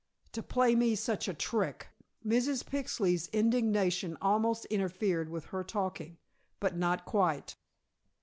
To play me such a trick!" Mrs. Pixley's indignation almost interfered with her talking, but not quite.